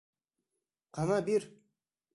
Ҡана бир!